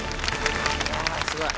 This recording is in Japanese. いやあすごい！